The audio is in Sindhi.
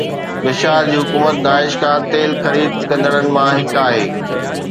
بشار جي حڪومت داعش کان تيل خريد ڪندڙن مان هڪ آهي